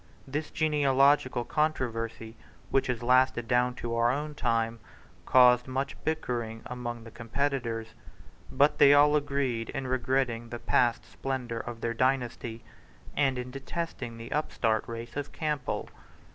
This genealogical controversy, which has lasted down to our own time, caused much bickering among the competitors. But they all agreed in regretting the past splendour of their dynasty, and in detesting the upstart race of Campbell.